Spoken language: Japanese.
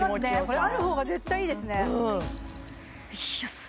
これあるほうが絶対いいですね